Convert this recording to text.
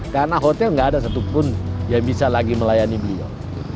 karena hotel tidak ada satupun yang bisa lagi melayani beliau